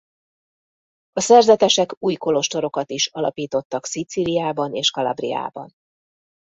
A szerzetesek új kolostorokat is alapítottak Szicíliában és Calabriában.